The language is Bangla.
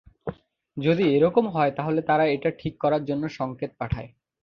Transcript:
যদি এরকম হয়, তাহলে তারা এটা ঠিক করার জন্য সংকেত পাঠায়।